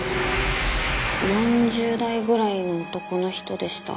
４０代ぐらいの男の人でした。